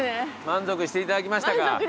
満足していただけましたか？